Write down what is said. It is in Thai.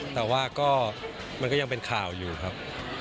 แต่ว่าก็มันก็ยังเป็นข่าวอยู่ครับ